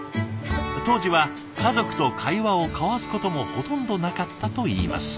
当時は家族と会話を交わすこともほとんどなかったといいます。